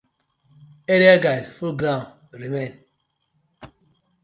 Area guyz full ground remain.